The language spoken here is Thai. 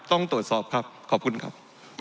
ต้องตรวจสอบครับขอบคุณครับ